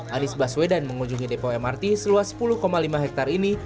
anies baswedan mengunjungi depo mrt seluas sepuluh lima hektare ini